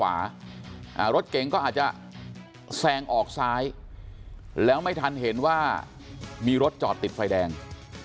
รถเก๋งก็อาจจะแซงออกซ้ายแล้วไม่ทันเห็นว่ามีรถจอดติดไฟแดง